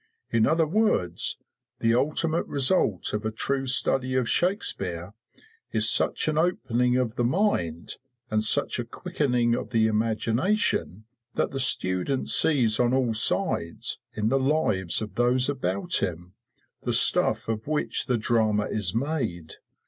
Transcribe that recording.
In other words, the ultimate result of a true study of Shakespeare is such an opening of the mind and such a quickening of the imagination that the student sees on all sides, in the lives of those about him, the stuff of which the drama is made.